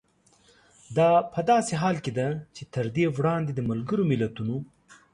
دا په داسې حال کې ده چې تر دې وړاندې د ملګرو ملتونو